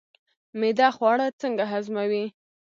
معده خواړه څنګه هضموي